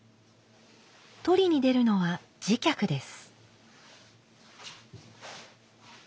取りに出るのは次客です。